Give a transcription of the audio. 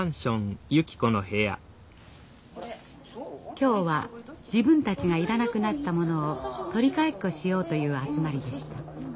今日は自分たちが要らなくなったものを取り替えっこしようという集まりでした。